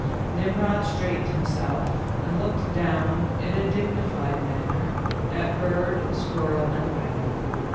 Mmrod straightened himself and looked down in a dignified manner at bird, squirrel, and rabbit.